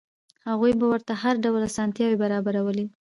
هغوی به ورته هر ډول اسانتیاوې برابرولې.